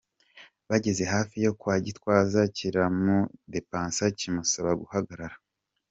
Bageze hafi yo kwa Gitwaza kiramudepasa kimusaba guhagarara.